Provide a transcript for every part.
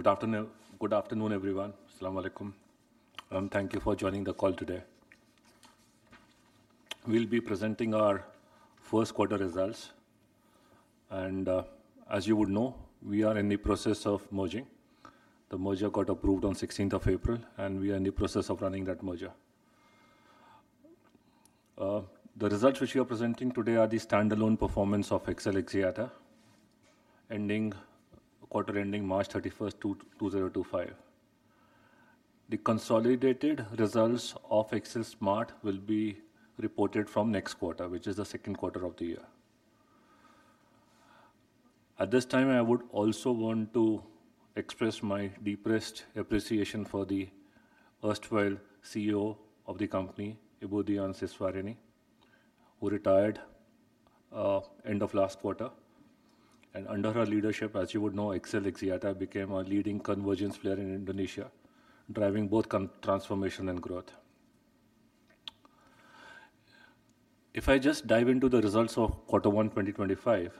Good afternoon, everyone. Assalamu alaikum. Thank you for joining the call today. We will be presenting our first-quarter results. As you would know, we are in the process of merging. The merger got approved on 16th of April, and we are in the process of running that merger. The results which we are presenting today are the standalone performance of XL Axiata quarter ending March 31st, 2025. The consolidated results of XL Smart will be reported from next quarter, which is the second quarter of the year. At this time, I would also want to express my deepest appreciation for the erstwhile CEO of the company, Dian Siswarini, who retired at the end of last quarter. Under her leadership, as you would know, XL Axiata became a leading convergence player in Indonesia, driving both transformation and growth. If I just dive into the results of quarter one, 2025,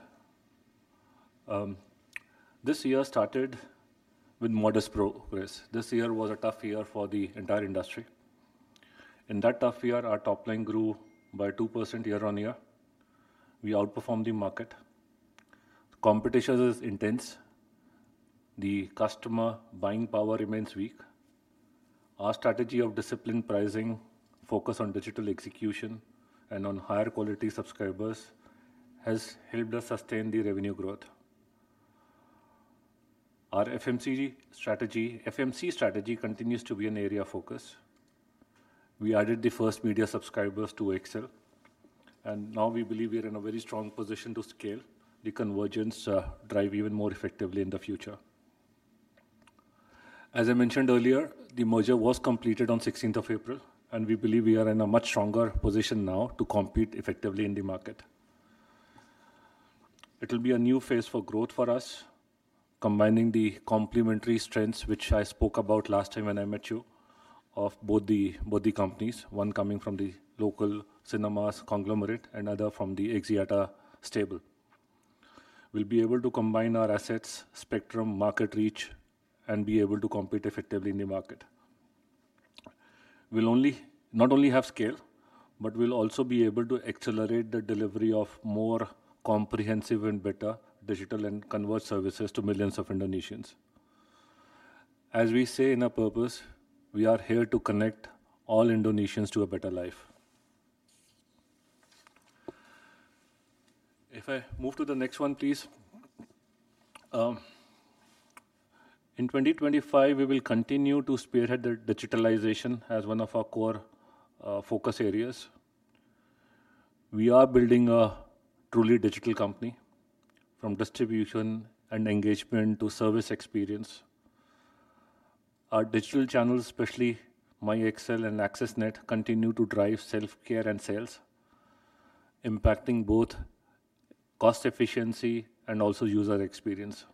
this year started with modest progress. This year was a tough year for the entire industry. In that tough year, our top line grew by 2% year-on-year. We outperformed the market. Competition is intense. The customer buying power remains weak. Our strategy of disciplined pricing, focus on digital execution, and on higher quality subscribers has helped us sustain the revenue growth. Our FMC strategy continues to be an area of focus. We added the First Media subscribers to XL. Now we believe we are in a very strong position to scale the convergence drive even more effectively in the future. As I mentioned earlier, the merger was completed on 16th of April, and we believe we are in a much stronger position now to compete effectively in the market. It will be a new phase for growth for us, combining the complementary strengths which I spoke about last time when I met you of both the companies, one coming from the local cinemas conglomerate and other from the Axiata stable. We'll be able to combine our assets, spectrum, market reach, and be able to compete effectively in the market. We'll not only have scale, but we'll also be able to accelerate the delivery of more comprehensive and better digital and converged services to millions of Indonesians. As we say in our purpose, we are here to connect all Indonesians to a better life. If I move to the next one, please. In 2025, we will continue to spearhead the digitalization as one of our core focus areas. We are building a truly digital company from distribution and engagement to service experience. Our digital channels, especially myXL and AccessNet, continue to drive self-care and sales, impacting both cost efficiency and also user experience.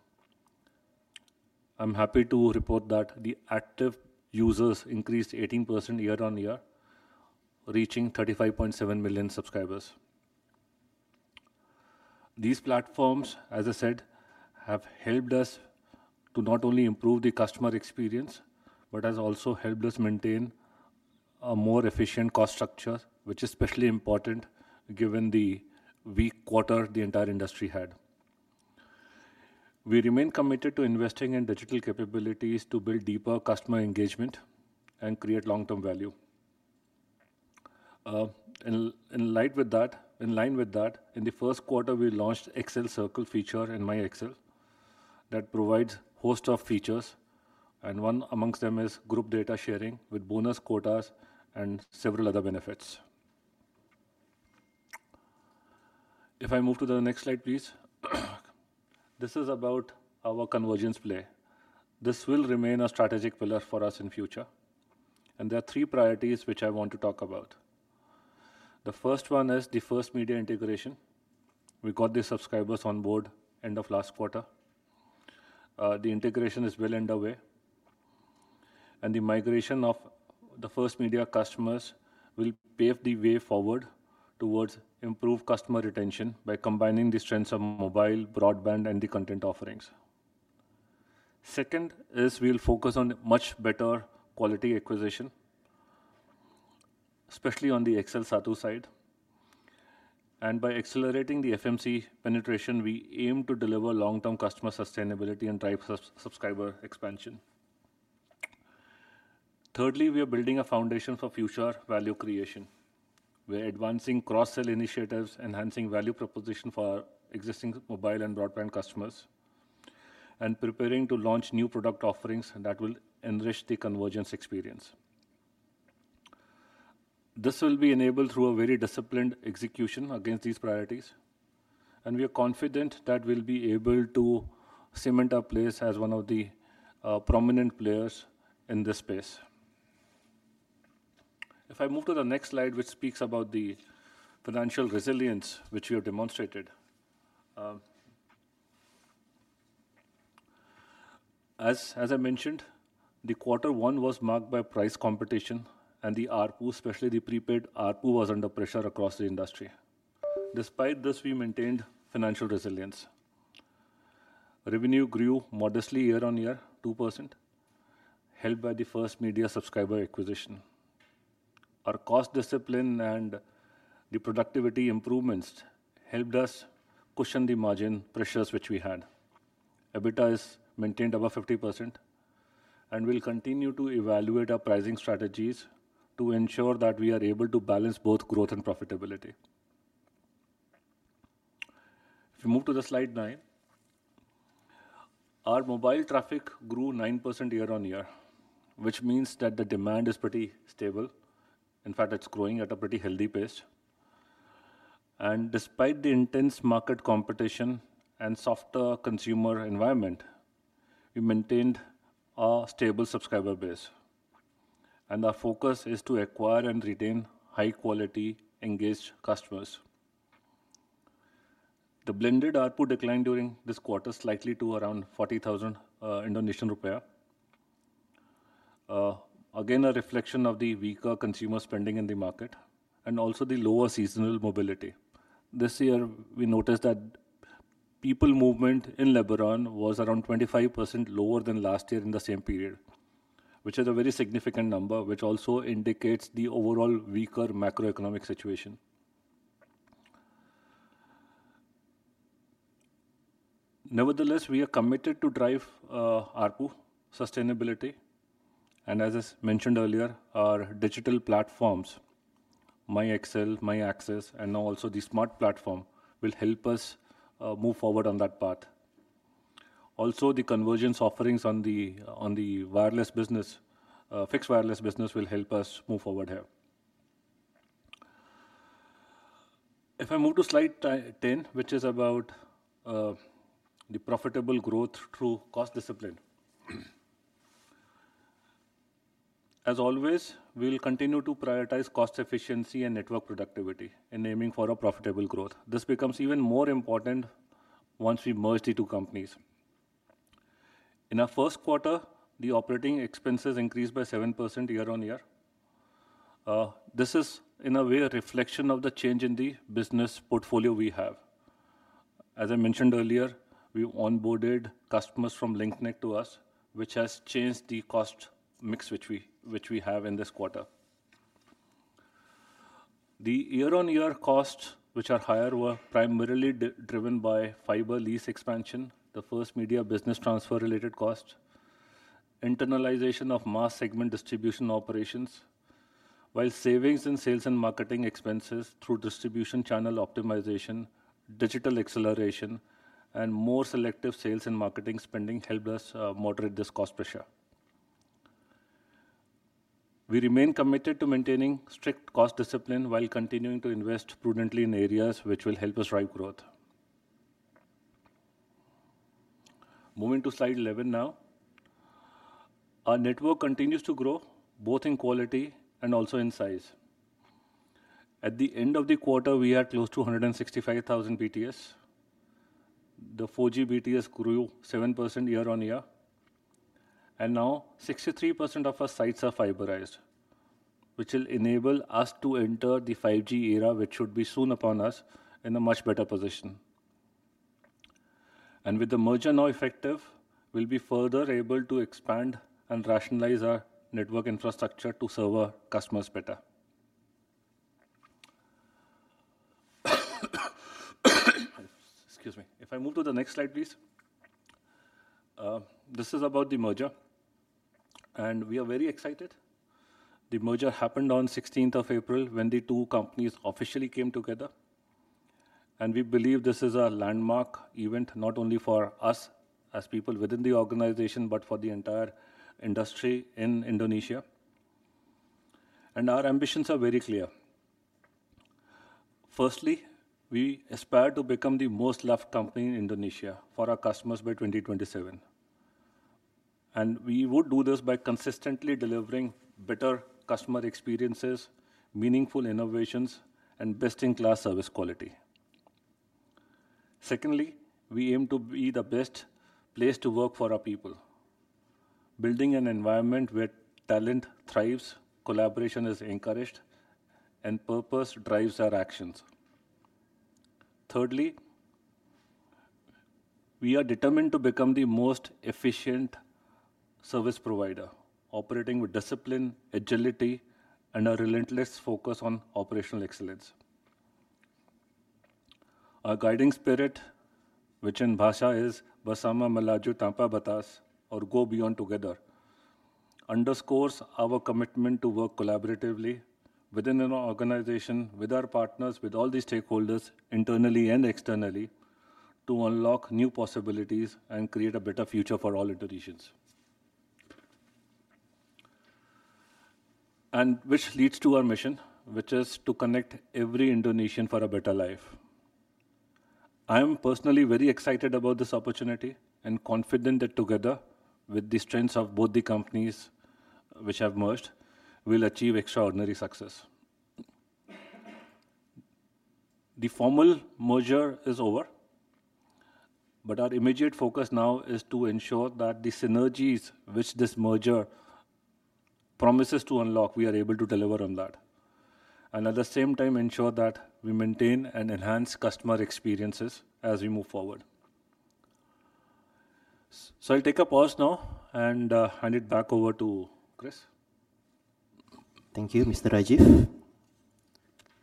I'm happy to report that the active users increased 18% year-on-year, reaching 35.7 million subscribers. These platforms, as I said, have helped us to not only improve the customer experience, but have also helped us maintain a more efficient cost structure, which is especially important given the weak quarter the entire industry had. We remain committed to investing in digital capabilities to build deeper customer engagement and create long-term value. In line with that, in the first quarter, we launched XL Circle feature in myXL that provides a host of features, and one amongst them is group data sharing with bonus quotas and several other benefits. If I move to the next slide, please. This is about our convergence play. This will remain a strategic pillar for us in the future. There are three priorities which I want to talk about. The first one is the First Media integration. We got the subscribers on board at the end of last quarter. The integration is well underway. The migration of the First Media customers will pave the way forward towards improved customer retention by combining the strengths of mobile, broadband, and the content offerings. Second is we'll focus on much better quality acquisition, especially on the XL SATU side. By accelerating the FMC penetration, we aim to deliver long-term customer sustainability and drive subscriber expansion. Thirdly, we are building a foundation for future value creation. We're advancing cross-sell initiatives, enhancing value proposition for existing mobile and broadband customers, and preparing to launch new product offerings that will enrich the convergence experience. This will be enabled through a very disciplined execution against these priorities. We are confident that we'll be able to cement our place as one of the prominent players in this space. If I move to the next slide, which speaks about the financial resilience which we have demonstrated. As I mentioned, the quarter one was marked by price competition, and the ARPU, especially the prepaid ARPU, was under pressure across the industry. Despite this, we maintained financial resilience. Revenue grew modestly year-on-year, 2%, held by the First Media subscriber acquisition. Our cost discipline and the productivity improvements helped us cushion the margin pressures which we had. EBITDA is maintained above 50%, and we'll continue to evaluate our pricing strategies to ensure that we are able to balance both growth and profitability. If we move to the slide nine, our mobile traffic grew 9% year-on-year, which means that the demand is pretty stable. In fact, it is growing at a pretty healthy pace. Despite the intense market competition and softer consumer environment, we maintained a stable subscriber base. Our focus is to acquire and retain high-quality, engaged customers. The blended ARPU declined during this quarter slightly to around 40,000 rupiah. Again, a reflection of the weaker consumer spending in the market and also the lower seasonal mobility. This year, we noticed that people movement in Lebanon was around 25% lower than last year in the same period, which is a very significant number, which also indicates the overall weaker macroeconomic situation. Nevertheless, we are committed to drive ARPU sustainability. As I mentioned earlier, our digital platforms, myXL, My AXIS, and now also the Smart platform will help us move forward on that path. Also, the convergence offerings on the fixed wireless business will help us move forward here. If I move to slide 10, which is about the profitable growth through cost discipline. As always, we will continue to prioritize cost efficiency and network productivity in aiming for profitable growth. This becomes even more important once we merge the two companies. In our first quarter, the operating expenses increased by 7% year-on-year. This is, in a way, a reflection of the change in the business portfolio we have. As I mentioned earlier, we onboarded customers from Link Net to us, which has changed the cost mix which we have in this quarter. The year-on-year costs, which are higher, were primarily driven by fiber lease expansion, the First Media business transfer-related cost, internalization of mass segment distribution operations, while savings in sales and marketing expenses through distribution channel optimization, digital acceleration, and more selective sales and marketing spending helped us moderate this cost pressure. We remain committed to maintaining strict cost discipline while continuing to invest prudently in areas which will help us drive growth. Moving to slide 11 now. Our network continues to grow both in quality and also in size. At the end of the quarter, we are close to 165,000 BTS. The 4G BTS grew 7% year-on-year. Now 63% of our sites are fiberized, which will enable us to enter the 5G era, which should be soon upon us in a much better position. With the merger now effective, we'll be further able to expand and rationalize our network infrastructure to serve our customers better. Excuse me. If I move to the next slide, please. This is about the merger. We are very excited. The merger happened on 16 April when the two companies officially came together. We believe this is a landmark event not only for us as people within the organization, but for the entire industry in Indonesia. Our ambitions are very clear. Firstly, we aspire to become the most loved company in Indonesia for our customers by 2027. We would do this by consistently delivering better customer experiences, meaningful innovations, and best-in-class service quality. Secondly, we aim to be the best place to work for our people, building an environment where talent thrives, collaboration is encouraged, and purpose drives our actions. Thirdly, we are determined to become the most efficient service provider, operating with discipline, agility, and a relentless focus on operational excellence. Our guiding spirit, which in Bahasa is, "Bersama melaju tanpa batas," or "Go beyond together," underscores our commitment to work collaboratively within an organization, with our partners, with all the stakeholders internally and externally to unlock new possibilities and create a better future for all Indonesians. This leads to our mission, which is to connect every Indonesian for a better life. I am personally very excited about this opportunity and confident that together with the strengths of both the companies which have merged, we will achieve extraordinary success. The formal merger is over, but our immediate focus now is to ensure that the synergies which this merger promises to unlock, we are able to deliver on that. At the same time, ensure that we maintain and enhance customer experiences as we move forward. I'll take a pause now and hand it back over to Chris. Thank you, Mr. Rajeev.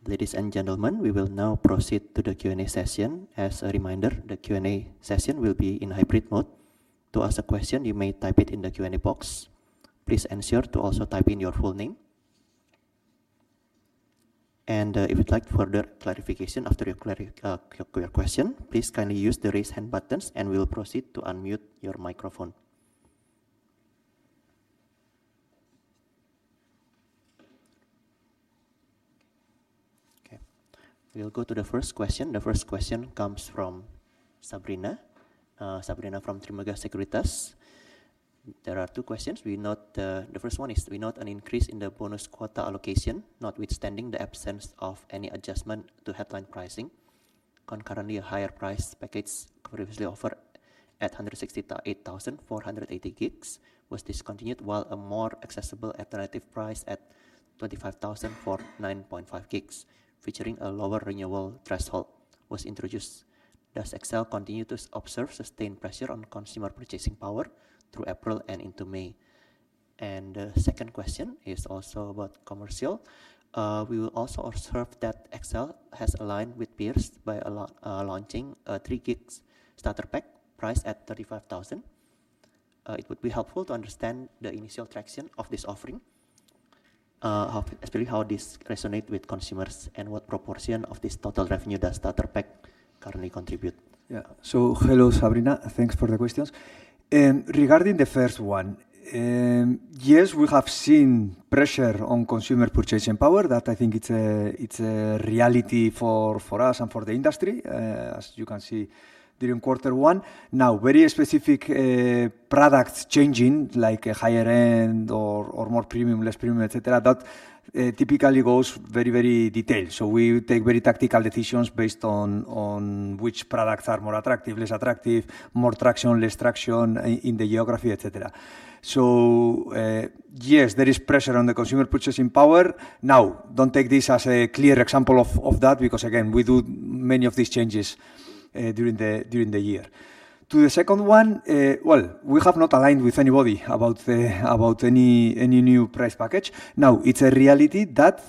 Ladies and gentlemen, we will now proceed to the Q&A session. As a reminder, the Q&A session will be in hybrid mode. To ask a question, you may type it in the Q&A box. Please ensure to also type in your full name. If you'd like further clarification after your question, please kindly use the raise hand buttons, and we'll proceed to unmute your microphone. Okay. We'll go to the first question. The first question comes from Sabrina from Trimegah Sekuritas. There are two questions. We note the first one is we note an increase in the bonus quota allocation, notwithstanding the absence of any adjustment to headline pricing. Concurrently, a higher price package previously offered at 168,480 gigs was discontinued, while a more accessible alternative price at 25,000 for 9.5 GB, featuring a lower renewal threshold, was introduced. Does XL continue to observe sustained pressure on consumer purchasing power through April and into May? The second question is also about commercial. We will also observe that XL has aligned with peers by launching a 3 GB starter pack priced at 35,000. It would be helpful to understand the initial traction of this offering, especially how this resonates with consumers and what proportion of this total revenue does starter pack currently contribute. Yeah. Hello, Sabrina. Thanks for the questions. Regarding the first one, yes, we have seen pressure on consumer purchasing power. That I think is a reality for us and for the industry, as you can see during quarter one. Now, very specific products changing, like higher-end or more premium, less premium, etc., that typically goes very, very detailed. So we take very tactical decisions based on which products are more attractive, less attractive, more traction, less traction in the geography, etc. Yes, there is pressure on the consumer purchasing power. Now, do not take this as a clear example of that, because again, we do many of these changes during the year. To the second one, we have not aligned with anybody about any new price package. Now, it is a reality that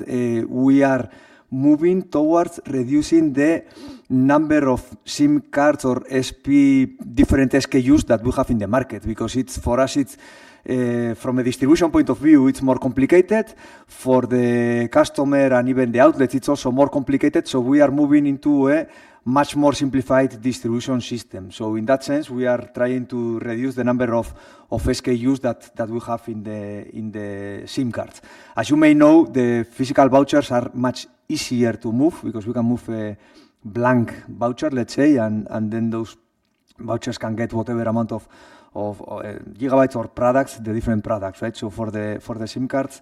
we are moving towards reducing the number of SIM cards or different SKUs that we have in the market, because for us, from a distribution point of view, it is more complicated. For the customer and even the outlet, it is also more complicated. We are moving into a much more simplified distribution system. In that sense, we are trying to reduce the number of SKUs that we have in the SIM cards. As you may know, the physical vouchers are much easier to move, because we can move a blank voucher, let's say, and then those vouchers can get whatever amount of gigabytes or products, the different products, right? For the SIM cards,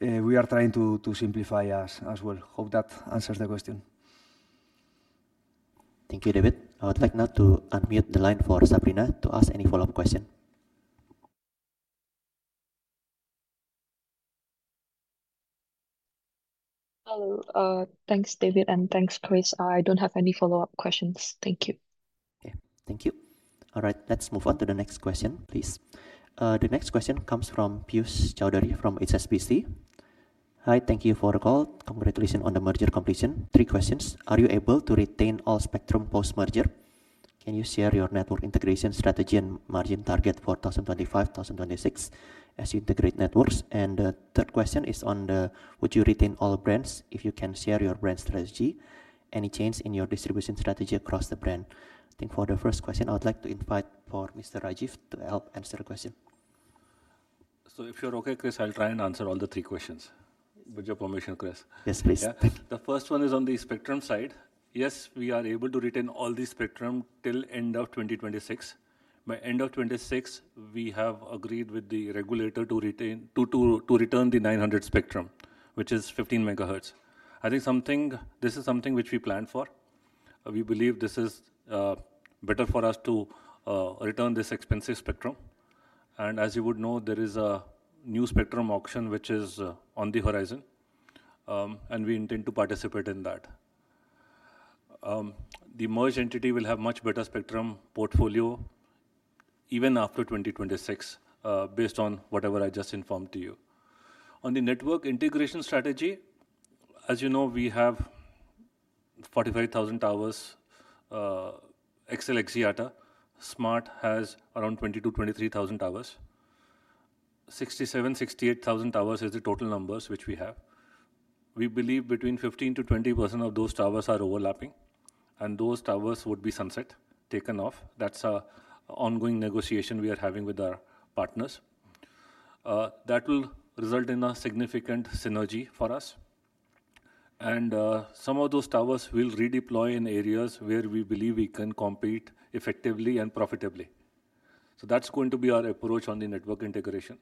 we are trying to simplify as well. Hope that answers the question. Thank you, David. I would like now to unmute the line for Sabrina to ask any follow-up question. Hello. Thanks, David, and thanks, Chris. I do not have any follow-up questions. Thank you. Okay. Thank you. All right. Let's move on to the next question, please. The next question comes from Piyush Choudhary from HSBC. Hi. Thank you for the call. Congratulations on the merger completion. Three questions. Are you able to retain all spectrum post-merger? Can you share your network integration strategy and margin target for 2025-2026 as you integrate networks? The third question is on the, would you retain all brands if you can share your brand strategy? Any change in your distribution strategy across the brand? I think for the first question, I would like to invite Mr. Rajeev to help answer the question. If you're okay, Chris, I'll try and answer all the three questions. With your permission, Chris. Yes, please. The first one is on the spectrum side. Yes, we are able to retain all the spectrum till end of 2026. By end of 2026, we have agreed with the regulator to return the 900 spectrum, which is 15 MHz. I think this is something which we planned for. We believe this is better for us to return this expensive spectrum. As you would know, there is a new spectrum auction which is on the horizon, and we intend to participate in that. The merged entity will have a much better spectrum portfolio even after 2026, based on whatever I just informed to you. On the network integration strategy, as you know, we have 45,000 towers, XL Axiata Smart has around 22,000-23,000 towers. 67,000-68,000 towers is the total number which we have. We believe between 15%-20% of those towers are overlapping, and those towers would be sunset, taken off. That is an ongoing negotiation we are having with our partners. That will result in a significant synergy for us. Some of those towers will redeploy in areas where we believe we can compete effectively and profitably. That is going to be our approach on the network integration.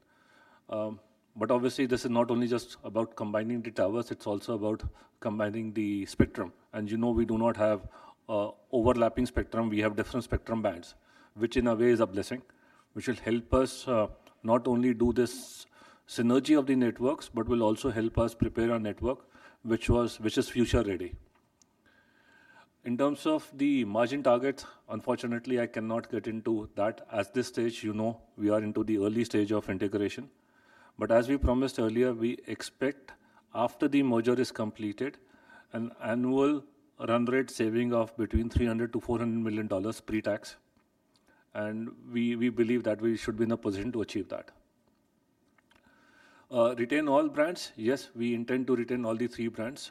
Obviously, this is not only just about combining the towers. It is also about combining the spectrum. You know we do not have overlapping spectrum. We have different spectrum bands, which in a way is a blessing, which will help us not only do this synergy of the networks, but will also help us prepare our network, which is future-ready. In terms of the margin targets, unfortunately, I cannot get into that. At this stage, you know we are into the early stage of integration. As we promised earlier, we expect after the merger is completed, an annual run rate saving of between $300 million-$400 million pre-tax. We believe that we should be in a position to achieve that. Retain all brands? Yes, we intend to retain all the three brands.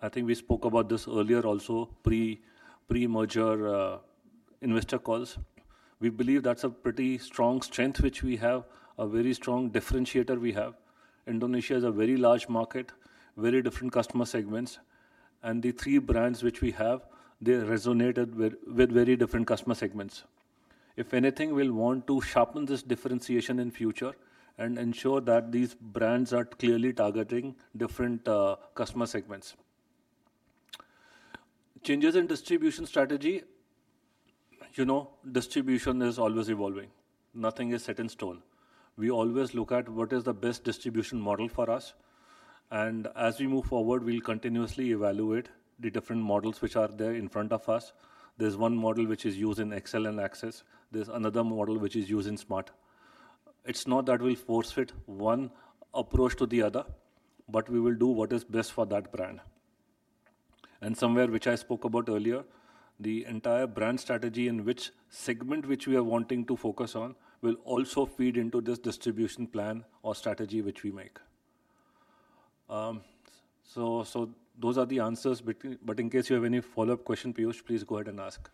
I think we spoke about this earlier also, pre-merger investor calls. We believe that's a pretty strong strength, which we have, a very strong differentiator we have. Indonesia is a very large market, very different customer segments. And the three brands which we have, they resonated with very different customer segments. If anything, we'll want to sharpen this differentiation in the future and ensure that these brands are clearly targeting different customer segments. Changes in distribution strategy? You know, distribution is always evolving. Nothing is set in stone. We always look at what is the best distribution model for us. As we move forward, we'll continuously evaluate the different models which are there in front of us. There's one model which is used in XL and Access. There's another model which is used in Smart. It's not that we'll force fit one approach to the other, but we will do what is best for that brand. Somewhere which I spoke about earlier, the entire brand strategy in which segment which we are wanting to focus on will also feed into this distribution plan or strategy which we make. Those are the answers. In case you have any follow-up question, Piyush, please go ahead and ask.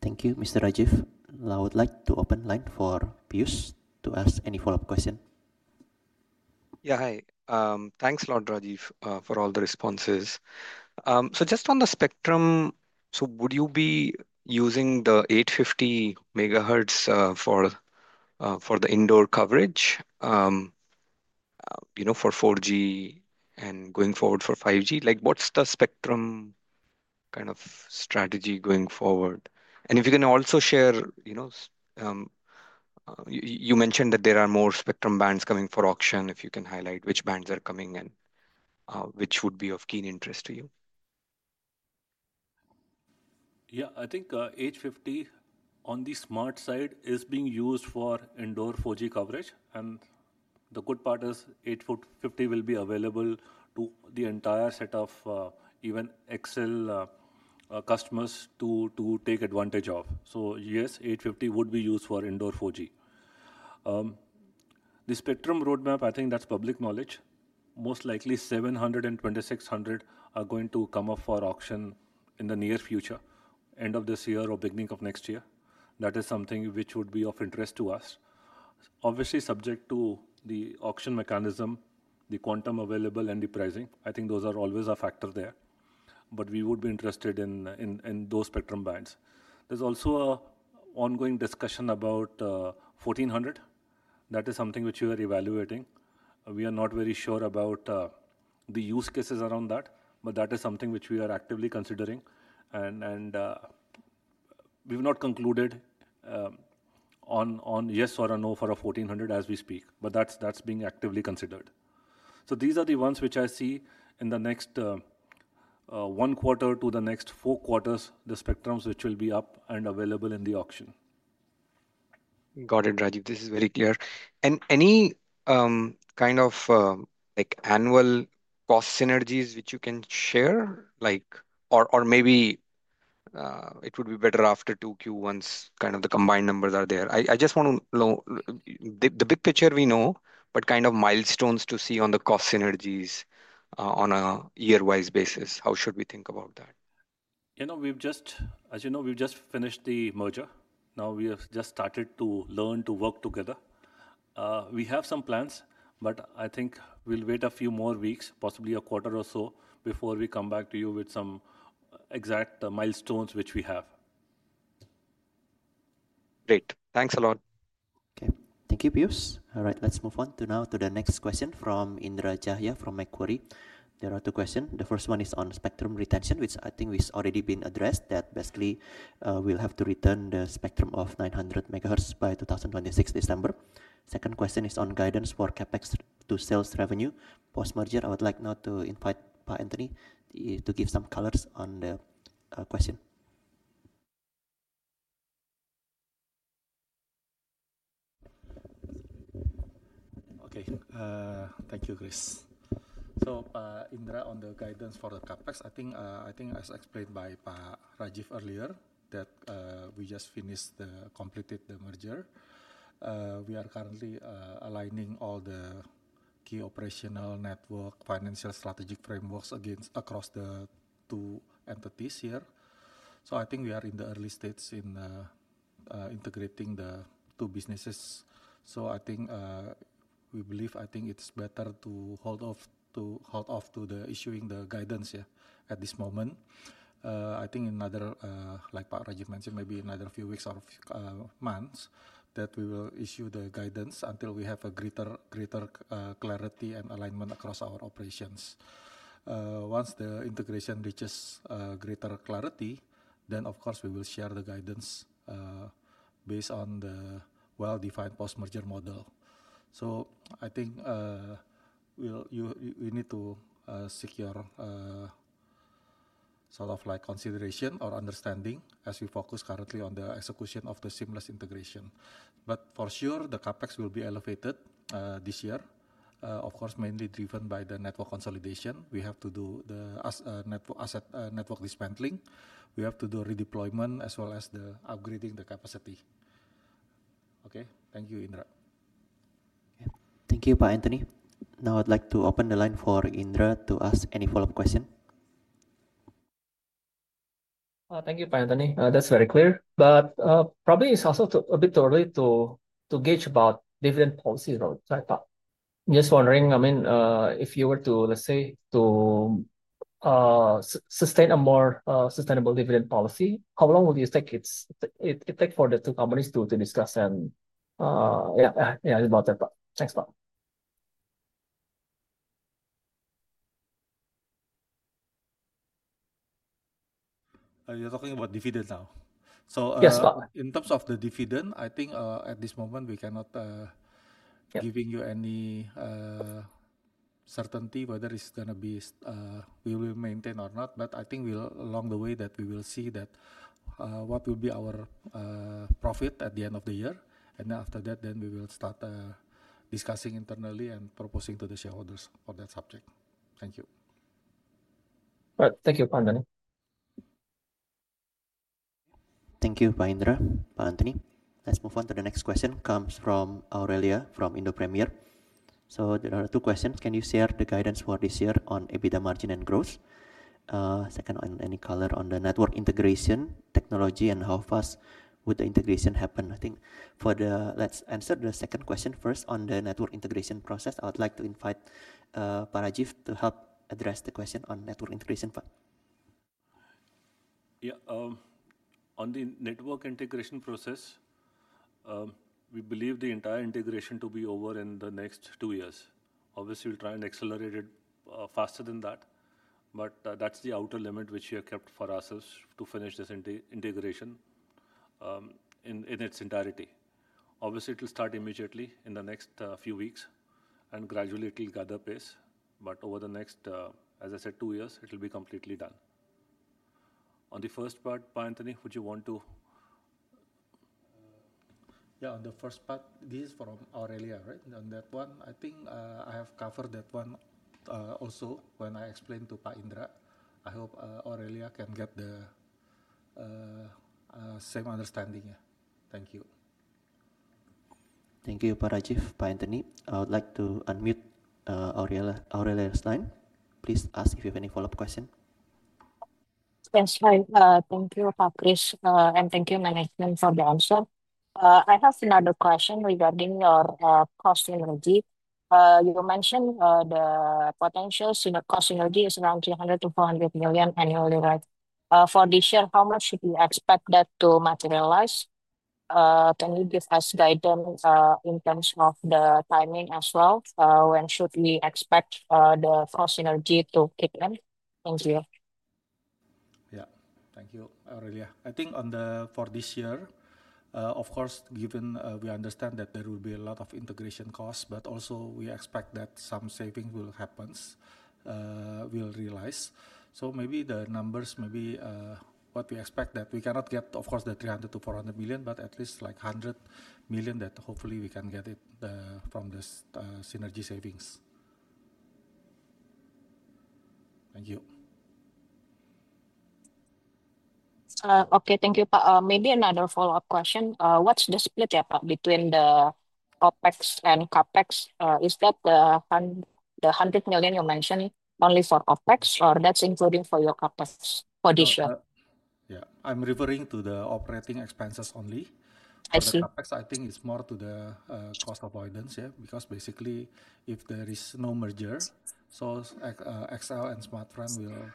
Thank you, Mr. Rajeev. I would like to open the line for Piyush to ask any follow-up question. Yeah, hi. Thanks a lot, Rajeev, for all the responses. Just on the spectrum, would you be using the 850 MHz for the indoor coverage for 4G and going forward for 5G? What's the spectrum kind of strategy going forward? If you can also share, you mentioned that there are more spectrum bands coming for auction. If you can highlight which bands are coming and which would be of keen interest to you. Yeah, I think 850 on the Smart side is being used for indoor 4G coverage. The good part is 850 will be available to the entire set of even XL customers to take advantage of. Yes, 850 would be used for indoor 4G. The spectrum roadmap, I think that's public knowledge. Most likely, 700 and 2,600 are going to come up for auction in the near future, end of this year or beginning of next year. That is something which would be of interest to us. Obviously, subject to the auction mechanism, the quantum available, and the pricing, I think those are always a factor there. We would be interested in those spectrum bands. There is also an ongoing discussion about 1,400. That is something which we are evaluating. We are not very sure about the use cases around that, but that is something which we are actively considering. We have not concluded on yes or a no for a 1,400 as we speak, but that is being actively considered. These are the ones which I see in the next one quarter to the next four quarters, the spectrums which will be up and available in the auction. Got it, Rajeev. This is very clear. Any kind of annual cost synergies which you can share? Maybe it would be better after 2Q once the combined numbers are there. I just want to know the big picture we know, but milestones to see on the cost synergies on a year-wise basis. How should we think about that? You know, as you know, we have just finished the merger. Now we have just started to learn to work together. We have some plans, but I think we'll wait a few more weeks, possibly a quarter or so, before we come back to you with some exact milestones which we have. Great. Thanks a lot. Okay. Thank you, Piyush. All right. Let's move on now to the next question from Indra Jaya from Macquarie. There are two questions. The first one is on spectrum retention, which I think has already been addressed, that basically we'll have to return the spectrum of 900 MHz by 2026 December. Second question is on guidance for CapEx to sales revenue post-merger. I would like now to invite Pa Anthony to give some colors on the question. Okay. Thank you, Chris. So Indra, on the guidance for the CapEx, I think, as explained by Pa Rajeev earlier, that we just finished the completed the merger. We are currently aligning all the key operational, network, financial, strategic frameworks across the two entities here. I think we are in the early stage in integrating the two businesses. I think we believe, I think it is better to hold off to issuing the guidance at this moment. I think in another, like Pa Rajeev mentioned, maybe in another few weeks or months, we will issue the guidance until we have greater clarity and alignment across our operations. Once the integration reaches greater clarity, then of course we will share the guidance based on the well-defined post-merger model. I think we need to secure sort of consideration or understanding as we focus currently on the execution of the seamless integration. For sure, the CapEx will be elevated this year, of course mainly driven by the network consolidation. We have to do the network dispensing. We have to do redeployment as well as upgrading the capacity. Okay. Thank you, Indra. Thank you, Pa Anthony. Now I'd like to open the line for Indra to ask any follow-up question. Thank you, Pa Anthony. That's very clear. Probably it's also a bit early to gauge about dividend policies, right? I was just wondering, I mean, if you were to, let's say, to sustain a more sustainable dividend policy, how long would it take for the two companies to discuss. Yeah, that's about it, thanks, Pa. You're talking about dividend now? In terms of the dividend, I think at this moment we cannot give you any certainty whether we will maintain or not. But I think along the way that we will see that what will be our profit at the end of the year. After that, we will start discussing internally and proposing to the shareholders for that subject. Thank you. All right. Thank you, Pa Anthony. Thank you, Pa Indra, Pa Anthony. Let's move on to the next question comes from Aurelia from Indo Premier. There are two questions. Can you share the guidance for this year on EBITDA margin and growth? Second, any color on the network integration technology and how fast would the integration happen? I think for the, let's answer the second question first on the network integration process. I would like to invite Pa Rajeev to help address the question on network integration. Yeah. On the network integration process, we believe the entire integration to be over in the next two years. Obviously, we'll try and accelerate it faster than that. That is the outer limit which we have kept for ourselves to finish this integration in its entirety. Obviously, it will start immediately in the next few weeks. Gradually, it will gather pace. Over the next, as I said, two years, it will be completely done. On the first part, Pa Anthony, would you want to? Yeah, on the first part, this is from Aurelia, right? On that one, I think I have covered that one also when I explained to Pa Indra. I hope Aurelia can get the same understanding. Thank you. Thank you, Pa Rajiv, Pa Anthony. I would like to unmute Aurelia's line. Please ask if you have any follow-up question. Yes, hi. Thank you, Pa Chris. Thank you, Management, for the answer. I have another question regarding your cost synergy. You mentioned the potential cost synergy is around $300 million-$400 million annually, right? For this year, how much should we expect that to materialize? Can you give us guidance in terms of the timing as well? When should we expect the cost synergy to kick in? Thank you. Yeah, thank you, Aurelia. I think for this year, of course, given we understand that there will be a lot of integration costs, but also we expect that some savings will happen, will realize. Maybe the numbers, maybe what we expect that we cannot get, of course, the $300 million-$400 million, but at least like $100 million that hopefully we can get it from the synergy savings. Thank you. Okay, thank you, Pa. Maybe another follow-up question. What's the split between the OpEx and CapEx? Is that the $100 million you mentioned only for OpEx, or that's including for your CapEx for this year? Yeah, I'm referring to the operating expenses only. For CapEx, I think it's more to the cost avoidance, yeah, because basically if there is no merger, XL and Smartfren will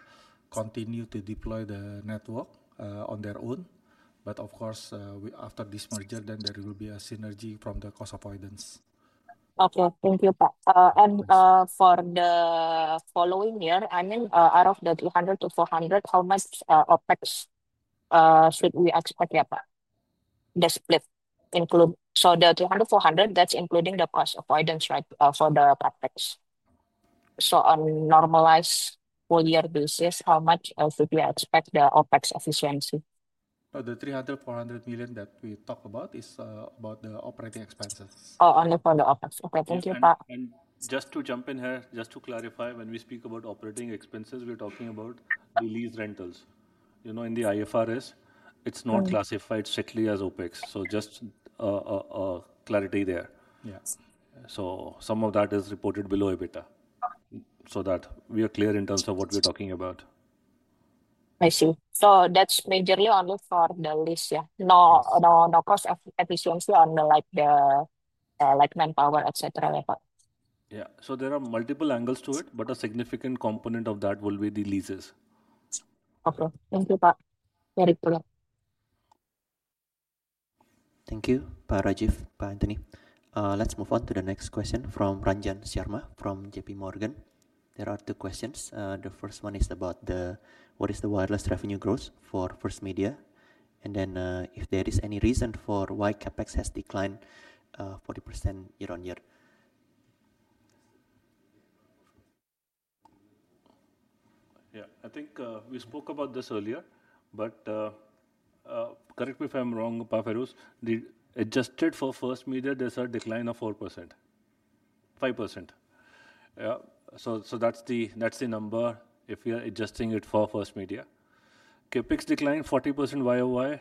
continue to deploy the network on their own. Of course, after this merger, then there will be a synergy from the cost avoidance. Okay, thank you, Pa. For the following year, I mean, out of the $300 million-$400 million, how much OpEx should we expect, yeah, Pa, the split? The $300 million-$400 million, that's including the cost avoidance, right, for the CapEx. On normalized full year basis, how much should we expect the OpEx efficiency? The $300 million-$400 million that we talked about is about the operating expenses. Oh, only for the OpEx. Okay, thank you, Pa. Just to jump in here, just to clarify, when we speak about operating expenses, we're talking about lease rentals. You know, in the IFRS, it's not classified strictly as OpEx. Just clarity there. Yeah. Some of that is reported below EBITDA so that we are clear in terms of what we're talking about. I see. That's majorly only for the lease, yeah? No cost efficiency on the manpower, etc., yeah, Pa. Yeah. There are multiple angles to it, but a significant component of that will be the leases. Okay. Thank you, Pa. Very clear. Thank you, Pa Rajeev, Pa Anthony. Let's move on to the next question from Ranjan Sharma from JPMorgan. There are two questions. The first one is about what is the wireless revenue growth for First Media? If there is any reason for why CapEx has declined 40% year-on-year. Yeah, I think we spoke about this earlier, but correct me if I'm wrong, Pa Feiruz, adjusted for First Media, there is a decline of 4%-5%. That is the number if we are adjusting it for First Media. CapEx declined 40% year-on-year.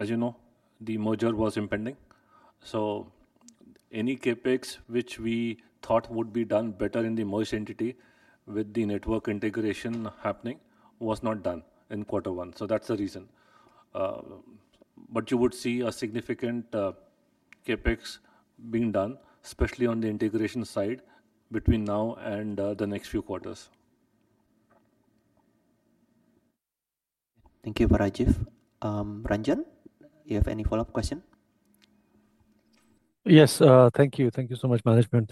As you know, the merger was impending. Any CapEx which we thought would be done better in the merged entity with the network integration happening was not done in quarter one. That is the reason. You would see significant CapEx being done, especially on the integration side between now and the next few quarters. Thank you, Pa Rajeev. Ranjan, you have any follow-up question? Yes, thank you. Thank you so much, Management.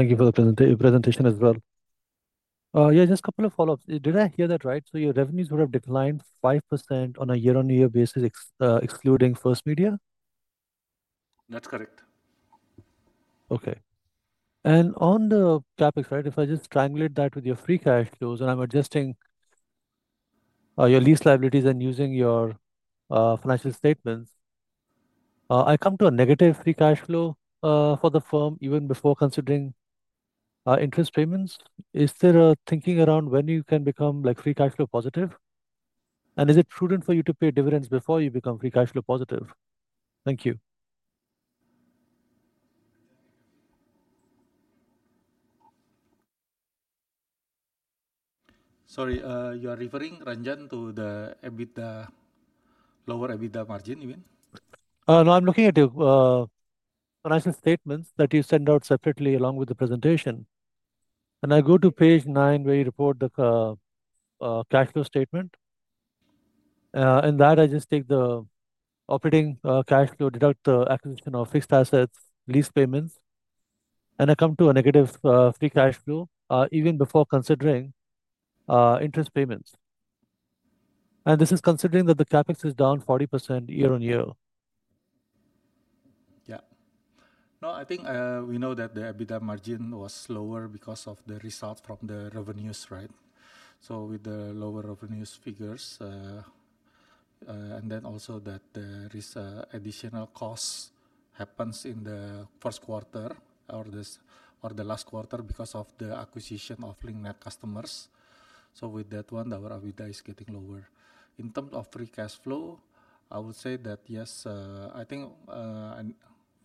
Thank you for the presentation as well. Yeah, just a couple of follow-ups. Did I hear that right? So your revenues would have declined 5% on a year-on-year basis, excluding First Media? That's correct. Okay. On the CapEx, right, if I just triangulate that with your free cash flows and I'm adjusting your lease liabilities and using your financial statements, I come to a negative free cash flow for the firm even before considering interest payments. Is there a thinking around when you can become like free cash flow positive? Is it prudent for you to pay dividends before you become free cash flow positive? Thank you. Sorry, you are referring, Ranjan, to the EBITDA, lower EBITDA margin, you mean? No, I'm looking at your financial statements that you sent out separately along with the presentation. I go to page nine where you report the cash flow statement. In that, I just take the operating cash flow, deduct the acquisition of fixed assets, lease payments. I come to a negative free cash flow even before considering interest payments. This is considering that the CapEx is down 40% yea-on-year. Yeah. No, I think we know that the EBITDA margin was lower because of the result from the revenues, right? With the lower revenues figures. There is also additional costs happening in the first quarter or the last quarter because of the acquisition of Link Net customers. With that one, our EBITDA is getting lower. In terms of free cash flow, I would say that yes, I think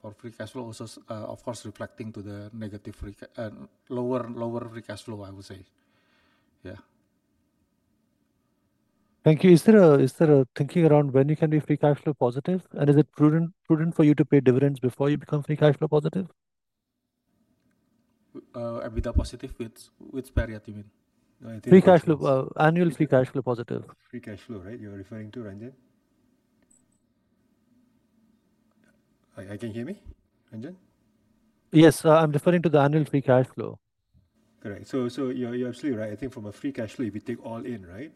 for free cash flow also, of course, reflecting to the negative lower free cash flow, I would say. Yeah. Thank you. Is there a thinking around when you can be free cash flow positive? And is it prudent for you to pay dividends before you become free cash flow positive? EBITDA positive with where you mean? Free cash flow, annual free cash flow positive. Free cash flow, right? You're referring to, Ranjan? I can hear me, Ranjan? Yes, I'm referring to the annual free cash flow. Correct. So you're absolutely right. I think from a free cash flow, if you take all in, right,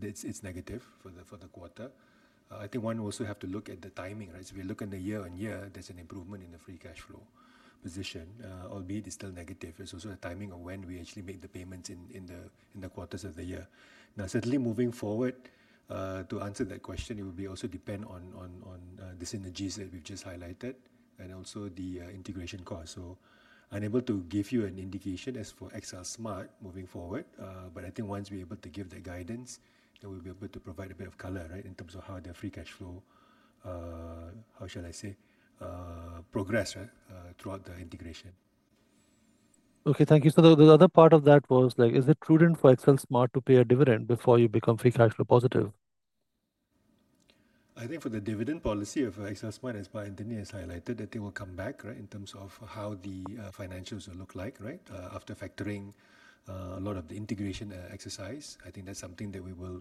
it's negative for the quarter. I think one also has to look at the timing, right? If you look in the year-on-year, there's an improvement in the free cash flow position, albeit it's still negative. It's also the timing of when we actually make the payments in the quarters of the year. Now, certainly moving forward, to answer that question, it will also depend on the synergies that we've just highlighted and also the integration costs. I'm able to give you an indication as for XL Smart moving forward. I think once we're able to give that guidance, then we'll be able to provide a bit of color, right, in terms of how their free cash flow, how shall I say, progress throughout the integration. Okay, thank you. The other part of that was like, is it prudent for XL Smart to pay a dividend before you become free cash flow positive? I think for the dividend policy of XL Smart, as Pa Anthony has highlighted, I think we'll come back, right, in terms of how the financials will look like, right, after factoring a lot of the integration exercise. I think that's something that we will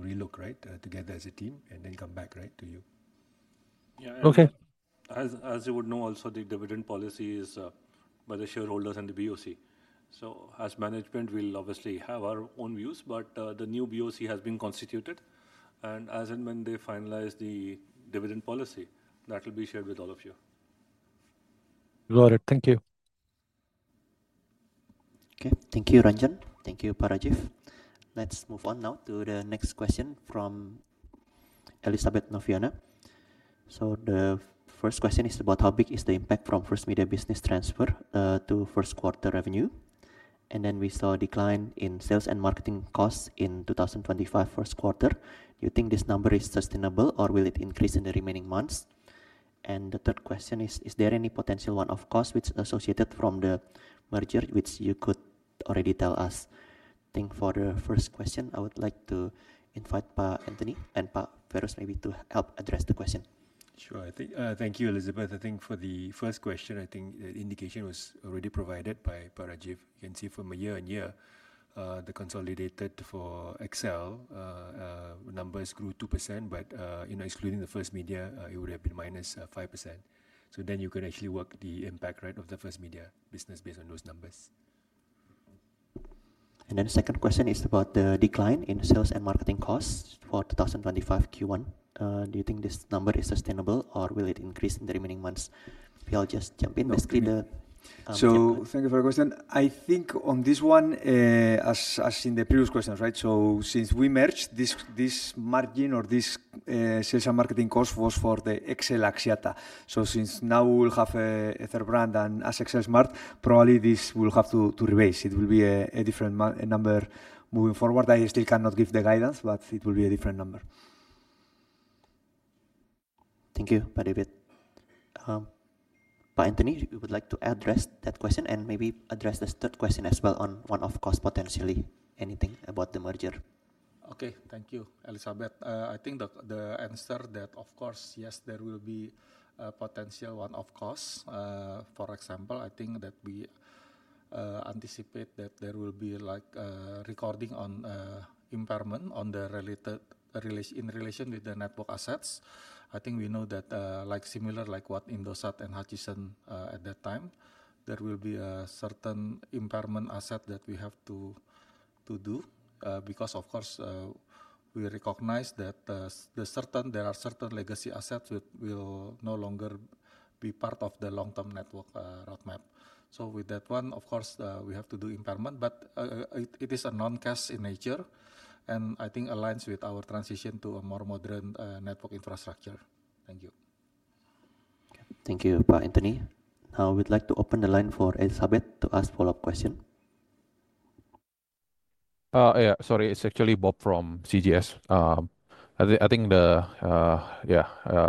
relook, right, together as a team and then come back, right, to you. Yeah. Okay. As you would know, also the dividend policy is by the shareholders and the BOC. So as Management, we'll obviously have our own views, but the new BOC has been constituted. As and when they finalize the dividend policy, that will be shared with all of you. All right, thank you. Okay, thank you, Ranjan. Thank you, Pa Rajeev. Let's move on now to the next question from Elizabeth Noviana. The first question is about how big is the impact from First Media business transfer to first quarter revenue. Then we saw a decline in sales and marketing costs in 2025 first quarter. You think this number is sustainable or will it increase in the remaining months? The third question is, is there any potential one-off costs associated from the merger which you could already tell us? I think for the first question, I would like to invite Pa Anthony and Pa Feiruz maybe to help address the question. Sure. Thank you, Elizabeth. I think for the first question, I think the indication was already provided by Pa Rajeev. You can see from a year-on-year, the consolidated for XL numbers grew 2%, but excluding the First Media, it would have been -5%. You can actually work the impact, right, of the First Media business based on those numbers. The second question is about the decline in sales and marketing costs for 2025 Q1. Do you think this number is sustainable or will it increase in the remaining months? If you'll just jump in, basically the. Thank you for the question. I think on this one, as in the previous questions, right, since we merged, this margin or this sales and marketing cost was for XL Axiata. Since now we will have a third brand and as XL Smart, probably this will have to rebase. It will be a different number moving forward. I still cannot give the guidance, but it will be a different number. Thank you, Pa David. Pa Anthony, you would like to address that question and maybe address the third question as well on one-off cost potentially, anything about the merger? Thank you, Elizabeth. I think the answer that, of course, yes, there will be a potential one-off cost. For example, I think that we anticipate that there will be like a recording on impairment on the related in relation with the network assets. I think we know that like similar like what Indosat and Hutchison at that time, there will be a certain impairment asset that we have to do because, of course, we recognize that there are certain legacy assets which will no longer be part of the long-term network roadmap. With that one, of course, we have to do impairment, but it is non-cash in nature and I think aligns with our transition to a more modern network infrastructure. Thank you. Thank you, Pa Anthony. Now we'd like to open the line for Elizabeth to ask follow-up question. Yeah, sorry, it's actually Bob from CGS. I think the, yeah,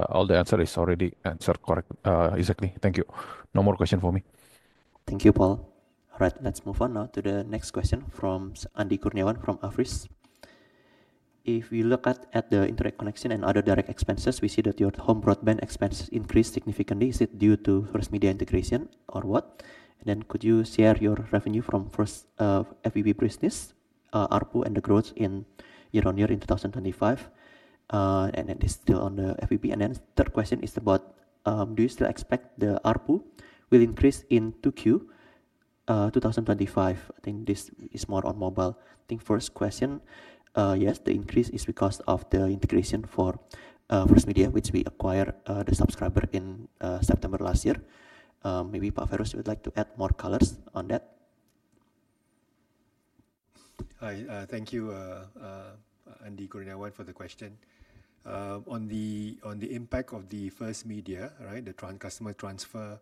all the answer is already answered correct exactly. Thank you. No more question for me. Thank you, Paul. All right, let's move on now to the next question from Andi Kurniawan from Avrist. If we look at the internet connection and other direct expenses, we see that your home broadband expenses increased significantly. Is it due to First Media integration or what? Could you share your revenue from First Media business, ARPU, and the growth year on year in 2025? This is still on the First Media. Third question is about, do you still expect the ARPU will increase in 2Q 2025? I think this is more on mobile. I think first question, yes, the increase is because of the integration for First Media, which we acquired the subscriber in September last year. Maybe Pa Feiruz would like to add more colors on that. Thank you, Andi Kurniawan, for the question. On the impact of the First Media, right, the customer transfer,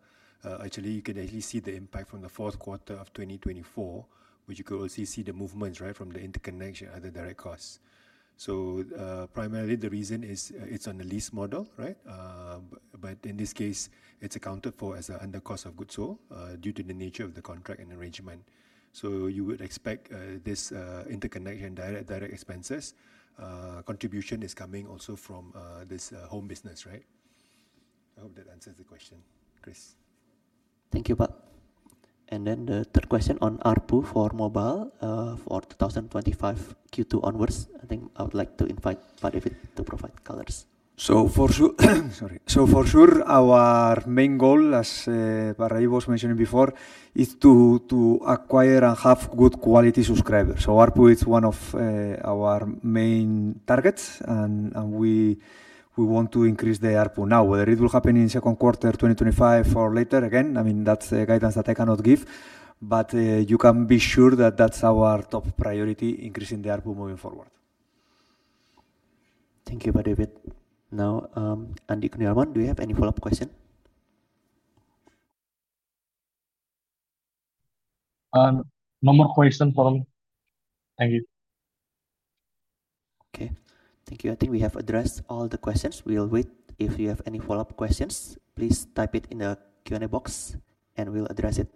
actually, you can actually see the impact from the fourth quarter of 2024, which you could also see the movements, right, from the interconnection, other direct costs. Primarily the reason is it's on the lease model, right? In this case, it's accounted for as an under cost of goods sold due to the nature of the contract and arrangement. You would expect this interconnection, direct expenses, contribution is coming also from this home business, right? I hope that answers the question, Chris. Thank you, Pa. The third question on ARPU for mobile for 2025 Q2 onwards, I think I would like to invite Pa David to provide colors. For sure, our main goal, as Pa Rajeev was mentioning before, is to acquire and have good quality subscribers. ARPU is one of our main targets and we want to increase the ARPU now, whether it will happen in second quarter 2025 or later again. I mean, that's the guidance that I cannot give, but you can be sure that that's our top priority, increasing the ARPU moving forward. Thank you, Pa David. Now, Andi Kurniawan, do you have any follow-up question? No more question for me. Thank you. Okay, thank you. I think we have addressed all the questions. We'll wait. If you have any follow-up questions, please type it in the Q&A box and we'll address it.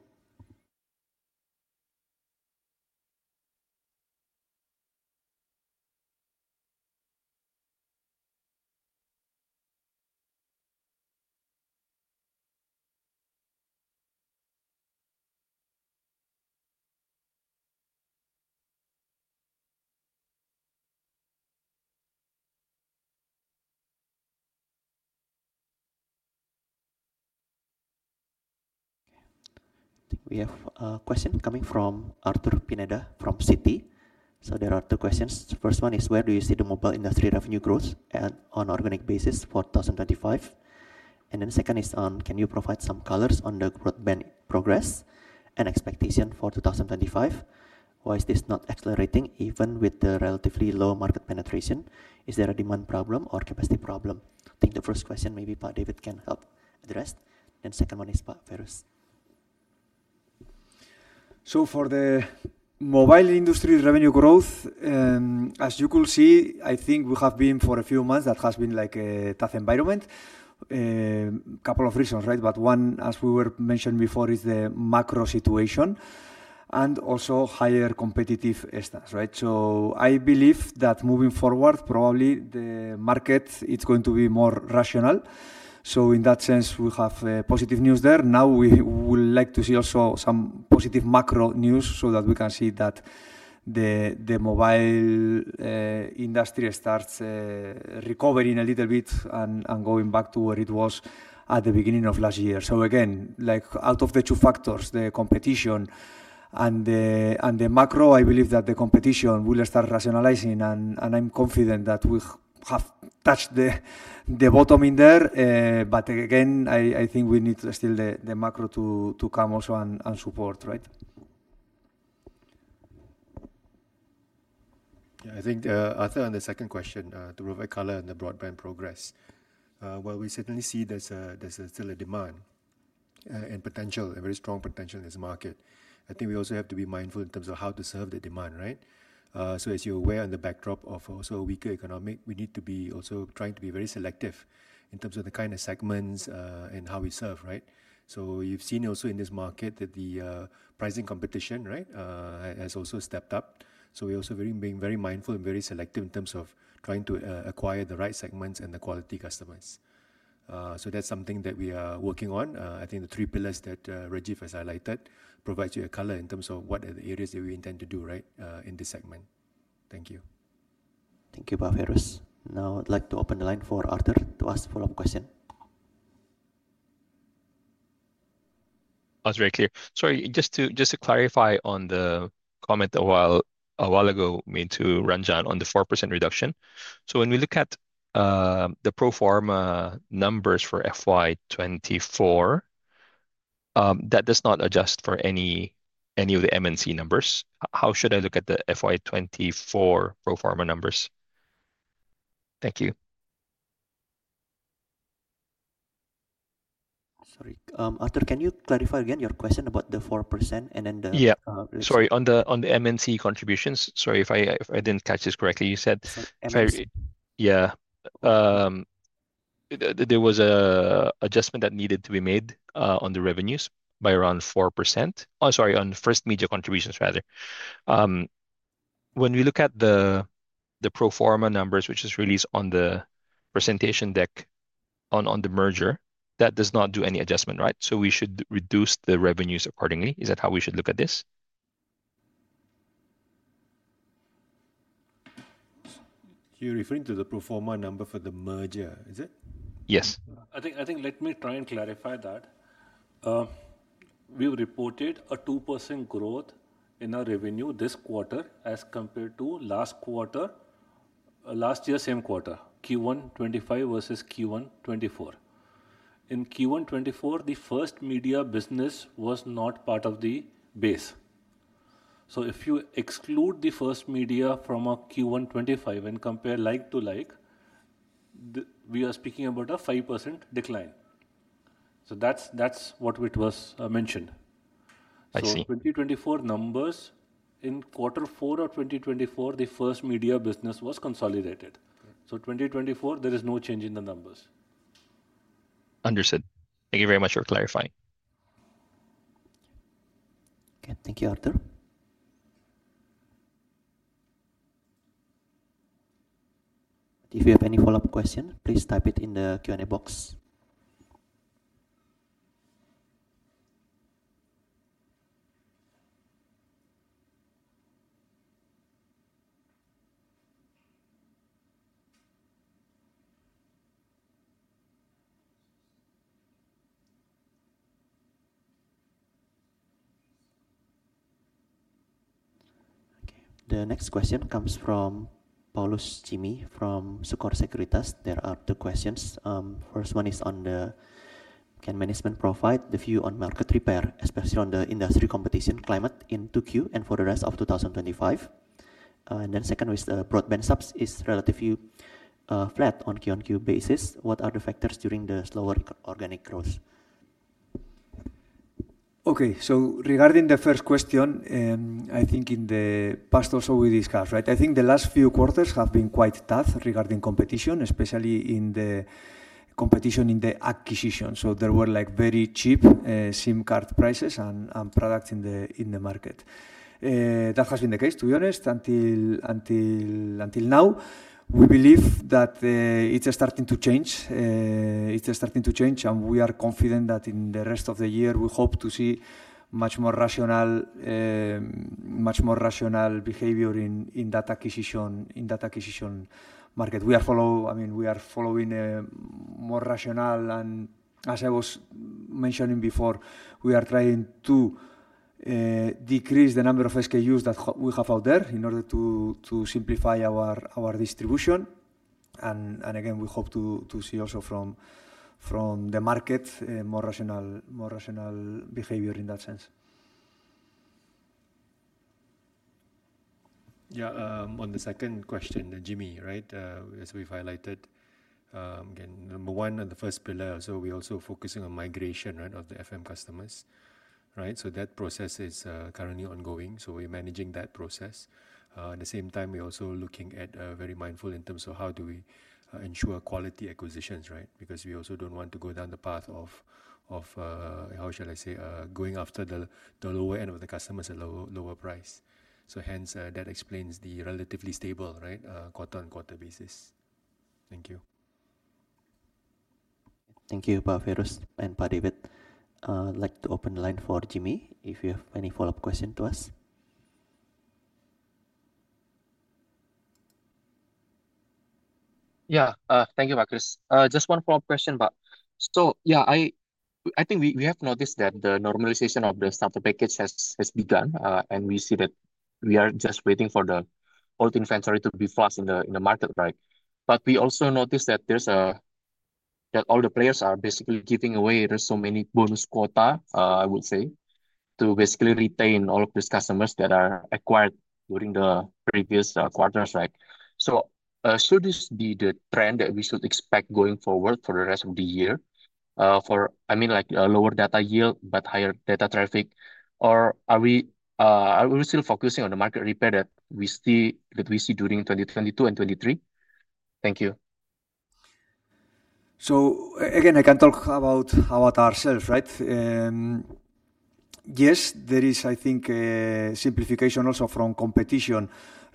Okay, I think we have a question coming from Arthur Pineda from Citi. There are two questions. First one is, where do you see the mobile industry revenue growth on an organic basis for 2025? Then second is on, can you provide some colors on the growth band progress and expectation for 2025? Why is this not accelerating even with the relatively low market penetration? Is there a demand problem or capacity problem? I think the first question maybe Pa David can help address. Then second one is Pa Feiruz. For the mobile industry revenue growth, as you could see, I think we have been for a few months that has been like a tough environment. A couple of reasons, right? One, as we were mentioned before, is the macro situation and also higher competitive status, right? I believe that moving forward, probably the market, it's going to be more rational. In that sense, we have positive news there. Now we would like to see also some positive macro news so that we can see that the mobile industry starts recovering a little bit and going back to where it was at the beginning of last year. Again, like out of the two factors, the competition and the macro, I believe that the competition will start rationalizing and I'm confident that we have touched the bottom in there. Again, I think we need still the macro to come also and support, right? I think the other and the second question to provide color on the broadband progress. We certainly see there's still a demand and potential, a very strong potential in this market. I think we also have to be mindful in terms of how to serve the demand, right? As you're aware, on the backdrop of also a weaker economic, we need to be also trying to be very selective in terms of the kind of segments and how we serve, right? You've seen also in this market that the pricing competition, right, has also stepped up. We're also being very mindful and very selective in terms of trying to acquire the right segments and the quality customers. That's something that we are working on. I think the three pillars that Rajeev has highlighted provides you a color in terms of what are the areas that we intend to do, right, in this segment. Thank you. Thank you, Pa Feiruz. Now I'd like to open the line for Arthur to ask follow-up question. That's very clear. Sorry, just to clarify on the comment a while ago made to Ranjan on the 4% reduction. When we look at the pro forma numbers for FY 2024, that does not adjust for any of the MNC numbers. How should I look at the FY 2024 pro forma numbers? Thank you. Sorry, Arthur, can you clarify again your question about the 4% and then the— yeah, sorry, on the MNC contributions, sorry if I did not catch this correctly. You said—yeah—there was an adjustment that needed to be made on the revenues by around 4%. Sorry, on First Media contributions, rather. When we look at the pro forma numbers, which is released on the presentation deck on the merger, that does not do any adjustment, right? We should reduce the revenues accordingly. Is that how we should look at this? You are referring to the pro forma number for the merger, is it? Yes. I think let me try and clarify that. We reported a 2% growth in our revenue this quarter as compared to last quarter, last year's same quarter, Q1 2025 versus Q1 2024. In Q1 2024, the First Media business was not part of the base. If you exclude the First Media from Q1 2025 and compare like to like, we are speaking about a 5% decline. That is what was mentioned. The 2024 numbers in quarter four of 2024, the First Media business was consolidated. In 2024, there is no change in the numbers. Understood. Thank you very much for clarifying. Thank you, Arthur. If you have any follow-up question, please type it in the Q&A box. The next question comes from Paulus Jimmy from Sucor Sekuritas. There are two questions. First one is on the can management provide the view on market repair, especially on the industry competition climate in Q2 and for the rest of 2025? Then second is the broadband subs is relatively flat on Q1 Q2 basis. What are the factors during the slower organic growth? Okay, regarding the first question, I think in the past also we discussed, right? I think the last few quarters have been quite tough regarding competition, especially in the competition in the acquisition. There were like very cheap SIM card prices and products in the market. That has been the case, to be honest, until now. We believe that it's starting to change. It's starting to change, and we are confident that in the rest of the year, we hope to see much more rational, much more rational behavior in that acquisition market. We are following, I mean, we are following more rational, and as I was mentioning before, we are trying to decrease the number of SKUs that we have out there in order to simplify our distribution. Again, we hope to see also from the market more rational behavior in that sense. Yeah, on the second question, Jimmy, right? As we've highlighted, again, number one on the first pillar, so we're also focusing on migration, right, of the FM customers, right? That process is currently ongoing. We're managing that process. At the same time, we're also looking at very mindful in terms of how do we ensure quality acquisitions, right? Because we also don't want to go down the path of, how shall I say, going after the lower end of the customers at lower price. Hence, that explains the relatively stable, right, quarter-on-quarter basis. Thank you. Thank you, Pa Feiruz and Pa David. I'd like to open the line for Jimmy if you have any follow-up question to us. Yeah, thank you, Pa Feiruz. Just one follow-up question, Pa. Yeah, I think we have noticed that the normalization of the starter package has begun, and we see that we are just waiting for the old inventory to be flushed in the market, right? We also noticed that all the players are basically giving away, there are so many bonus quota, I would say, to basically retain all of these customers that are acquired during the previous quarters, right? Should this be the trend that we should expect going forward for the rest of the year for, I mean, like lower data yield but higher data traffic, or are we still focusing on the market repair that we see during 2022 and 2023? Thank you. Again, I can talk about ourselves, right? Yes, there is, I think, simplification also from competition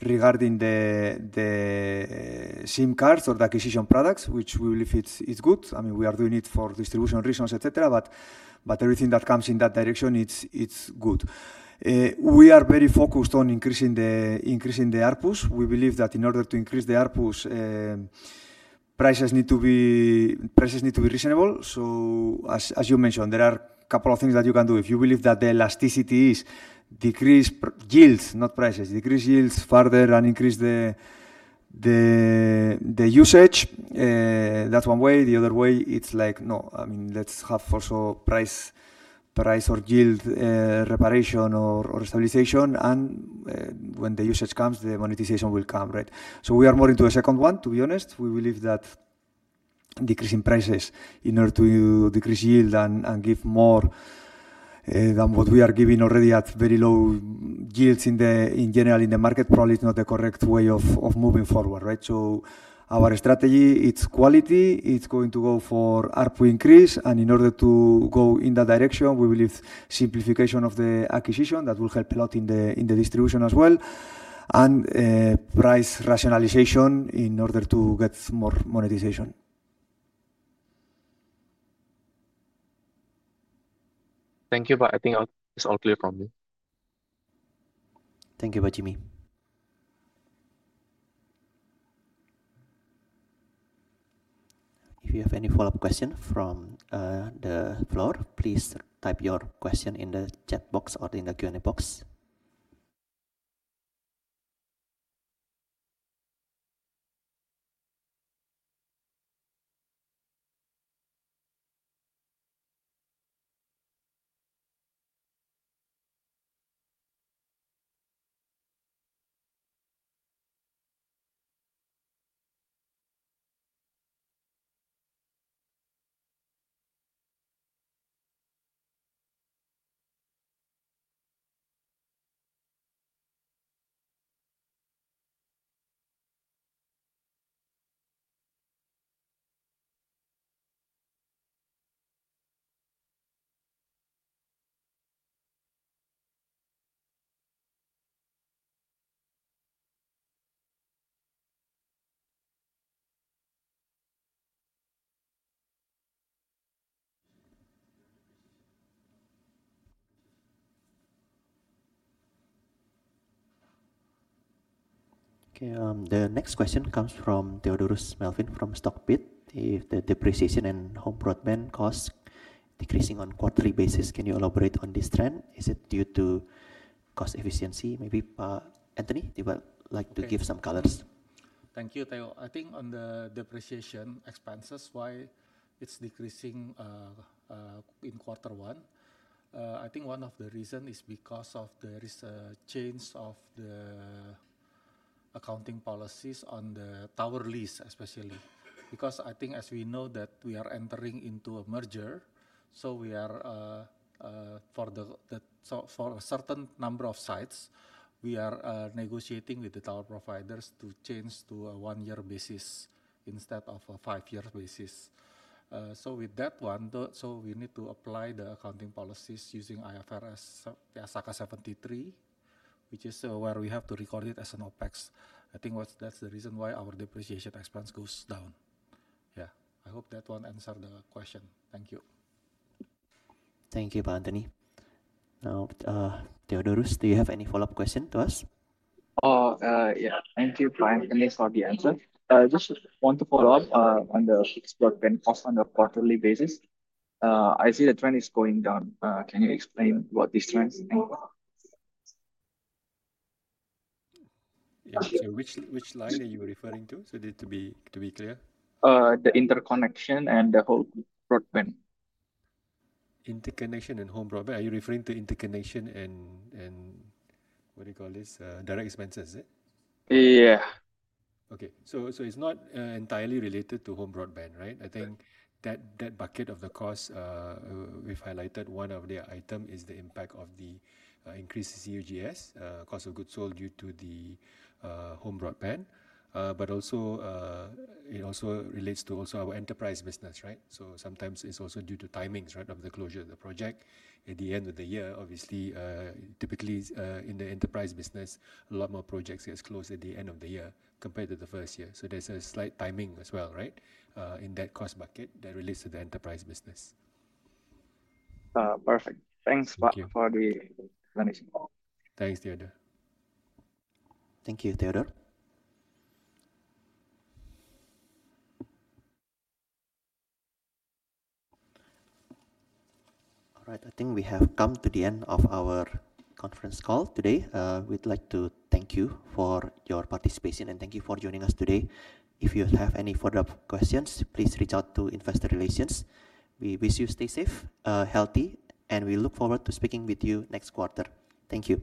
regarding the SIM cards or the acquisition products, which we believe is good. I mean, we are doing it for distribution reasons, etc., but everything that comes in that direction is good. We are very focused on increasing the ARPUs. We believe that in order to increase the ARPUs, prices need to be reasonable. As you mentioned, there are a couple of things that you can do. If you believe that the elasticity is decrease yields, not prices, decrease yields further and increase the usage, that's one way. The other way, it's like, no, I mean, let's have also price or yield reparation or stabilization, and when the usage comes, the monetization will come, right? We are more into a second one, to be honest. We believe that decreasing prices in order to decrease yield and give more than what we are giving already at very low yields in general in the market probably is not the correct way of moving forward, right? Our strategy, it's quality. It's going to go for ARPU increase, and in order to go in that direction, we believe simplification of the acquisition that will help a lot in the distribution as well, and price rationalization in order to get more monetization. Thank you, but I think it's all clear from me. Thank you, Jimmy. If you have any follow-up question from the floor, please type your question in the chat box or in the Q&A box. Okay, the next question comes from Theodorus Melvin from Stockbit. If the depreciation and home broadband costs decreasing on quarterly basis, can you elaborate on this trend? Is it due to cost efficiency? Maybe Anthony would like to give some colors. Thank you. I think on the depreciation expenses, why it's decreasing in quarter one, I think one of the reasons is because there is a change of the accounting policies on the tower lease, especially because I think as we know that we are entering into a merger, so for a certain number of sites, we are negotiating with the tower providers to change to a one-year basis instead of a five-year basis. With that one, we need to apply the accounting policies using IFRS 16, which is where we have to record it as an OpEx. I think that's the reason why our depreciation expense goes down. Yeah, I hope that one answered the question. Thank you. Thank you, Anthony. Now, Theodorus, do you have any follow-up question to us? Yeah, thank you, Pa Anthony, for the answer. Just want to follow up on the six broadband cost on a quarterly basis. I see the trend is going down. Can you explain what these trends are? Which line are you referring to? To be clear, the interconnection and the whole broadband. Interconnection and home broadband. Are you referring to interconnection and what do you call this, direct expenses, is it? Yeah. Okay. It is not entirely related to home broadband, right? I think that bucket of the cost we have highlighted, one of the items is the impact of the increased COGS, cost of goods sold, due to the home broadband. It also relates to our enterprise business, right? Sometimes it is also due to timings, right, of the closure of the project at the end of the year. Obviously, typically in the enterprise business, a lot more projects get closed at the end of the year compared to the first year. So there's a slight timing as well, right, in that cost bucket that relates to the enterprise business. Perfect. Thanks for the explanation. Thanks, Theodorus. Thank you, Theodorus. All right, I think we have come to the end of our conference call today. We'd like to thank you for your participation and thank you for joining us today. If you have any further questions, please reach out to Investor Relations. We wish you stay safe, healthy, and we look forward to speaking with you next quarter. Thank you.